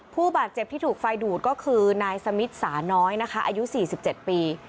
ผู้บาดเจ็บที่ถูกไฟดูดก็คือนายสมิทสาน้อยนะคะอายุ๔๗ปี